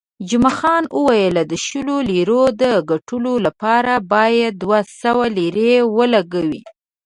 جمعه خان وویل، د شلو لیرو د ګټلو لپاره باید دوه سوه لیرې ولګوې.